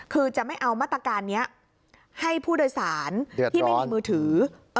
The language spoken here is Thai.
คือจะไม่เอามาตรการนี้ให้ผู้โดยสารที่ไม่มีมือถือ